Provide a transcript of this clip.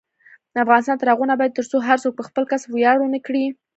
افغانستان تر هغو نه ابادیږي، ترڅو هر څوک په خپل کسب ویاړ ونه کړي.